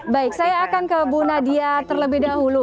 baik saya akan ke bu nadia terlebih dahulu